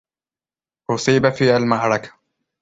أُصيب في المعركة.